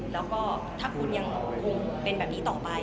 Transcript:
แล้วก็ถ้าคุณยังคงเป็นแบบนี้ต่อไป